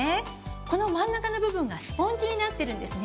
この真ん中の部分がスポンジになってるんですね。